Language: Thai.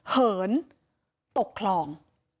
เหินตกคลอง